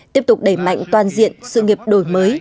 tiếp tục đẩy mạnh toàn diện sự nghiệp đổi mới